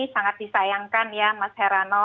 sangat disayangkan ya mas herano